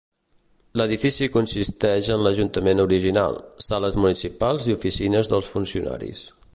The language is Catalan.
L'edifici consisteix en l'ajuntament original, sales municipals i oficines dels funcionaris.